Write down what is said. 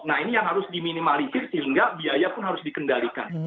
nah ini yang harus diminimalisir sehingga biaya pun harus dikendalikan